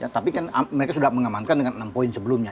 tapi kan mereka sudah mengamankan dengan enam poin sebelumnya